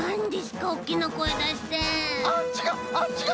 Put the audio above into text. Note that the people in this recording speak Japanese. あっちが！